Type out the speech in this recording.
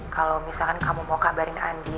kalau misalkan kamu mau kabarin andi